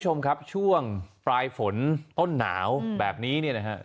คุณผู้ชมครับช่วงปลายฝนต้นหนาวแบบนี้เนี่ยนะฮะ